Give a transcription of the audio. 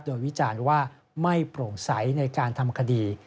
โดยวิจารณ์ว่าไม่โปร่งใสในการทำคดี